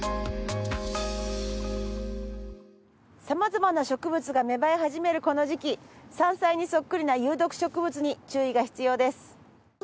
様々な植物が芽生え始めるこの時期山菜にそっくりな有毒植物に注意が必要です。